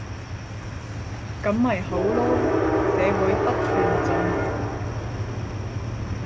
噉咪好囉，社會不斷進步